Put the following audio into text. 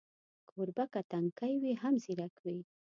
کوربه که تنکی وي، هم ځیرک وي.